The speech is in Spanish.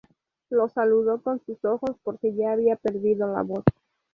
Los saludó con sus ojos, porque ya había perdido la voz.